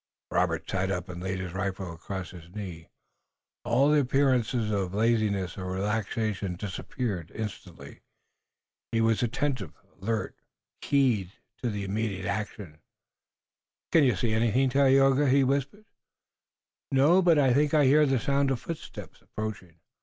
Robert sat up, and laid his rifle across his knee. All appearance of laziness or relaxation disappeared instantly. He was attentive, alert, keyed to immediate action. "Can you see anything, Tayoga?" he whispered. "No, but I think I hear the sound of footsteps approaching.